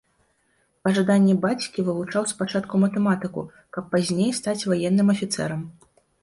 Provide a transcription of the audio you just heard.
Па жаданні бацькі вывучаў спачатку матэматыку, каб пазней стаць ваенным афіцэрам.